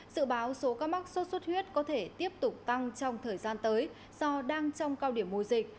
dự báo số ca mắc số suất huyết có thể tiếp tục tăng trong thời gian tới do đang trong cao điểm mô dịch